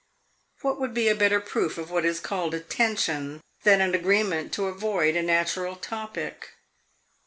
What would be a better proof of what is called a "tension" than an agreement to avoid a natural topic?